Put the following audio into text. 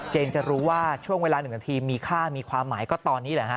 จะรู้ว่าช่วงเวลา๑นาทีมีค่ามีความหมายก็ตอนนี้แหละฮะ